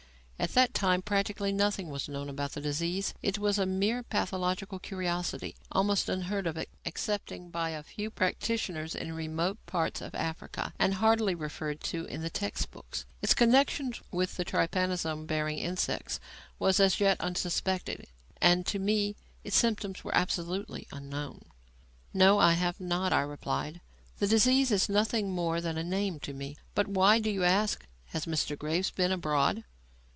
At that time practically nothing was known about the disease. It was a mere pathological curiosity, almost unheard of excepting by a few practitioners in remote parts of Africa, and hardly referred to in the text books. Its connection with the trypanosome bearing insects was as yet unsuspected, and, to me, its symptoms were absolutely unknown. "No, I have not," I replied. "The disease is nothing more than a name to me. But why do you ask? Has Mr. Graves been abroad?"